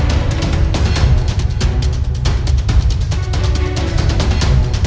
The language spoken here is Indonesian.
peri peri kiri peri